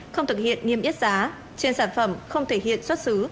không thực hiện nghiêm yết giá trên sản phẩm không thể hiện xuất xứ